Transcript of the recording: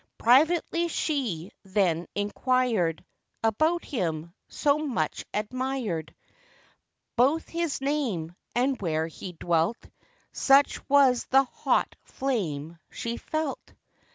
Privately she then enquired About him, so much admired; Both his name, and where he dwelt,— Such was the hot flame she felt.